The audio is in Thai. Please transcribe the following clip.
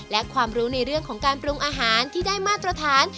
และความรู้ในเรื่องของการปรุงอาหารที่ได้มาตรฐาน